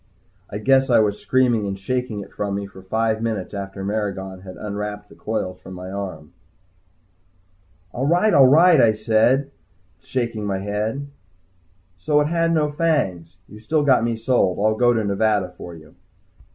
I guess I was screaming and shaking it from me for five minutes after Maragon had unwrapped the coils from my arm. "All right. All right. All right," I said to him, shaking my head. "So it had no fangs. You've still got me sold. I'll go to Nevada for you."